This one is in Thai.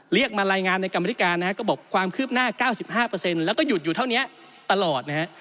เรียกมารายงานในกรรมธิการนะฮะก็บอกความคืบหน้า๙๕แล้วก็หยุดอยู่เท่านี้ตลอดนะฮะ